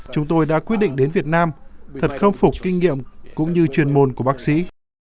chúng tôi đã quyết định đến việt nam thật khâm phục kinh nghiệm cũng như truyền môn của bác sĩ